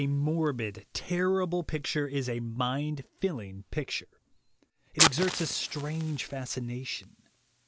A morbid, terrible picture is a mind filling picture; it exerts a strange fascination.